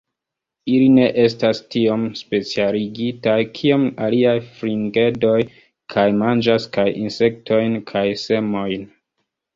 Ili ne estas tiom specialigitaj kiom aliaj fringedoj, kaj manĝas kaj insektojn kaj semojn.